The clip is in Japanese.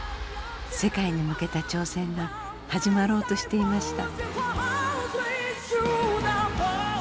世界に向けた挑戦が始まろうとしていました。